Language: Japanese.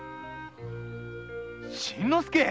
新之助！